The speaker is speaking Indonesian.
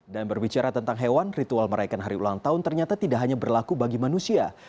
dan berbicara tentang hewan ritual meraihkan hari ulang tahun ternyata tidak hanya berlaku bagi manusia